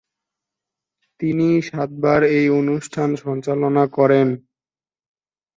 তিনি সাতবার এই অনুষ্ঠান সঞ্চালনা করেন।